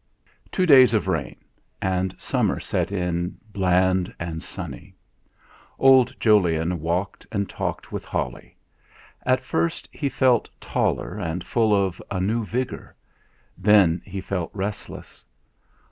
II Two days of rain, and summer set in bland and sunny. Old Jolyon walked and talked with Holly. At first he felt taller and full of a new vigour; then he felt restless.